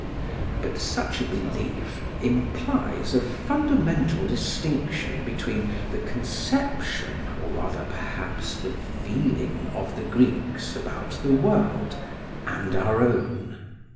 But such a belief implies a fundamental distinction between the conception, or rather, perhaps, the feeling of the Greeks about the world, and our own.